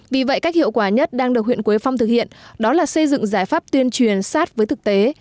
vì vậy cách hiệu quả nhất đang được huyện quế phong thực hiện đó là xây dựng giải pháp tuyên truyền sát với thực tế